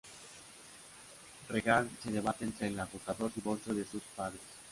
Regan se debate entre el agotador divorcio de sus padres.